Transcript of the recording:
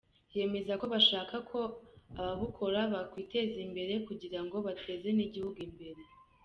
Yemeza ko bashaka ko ababukora bakwiteza imbere, kugira ngo bateze n’igihugu imbere.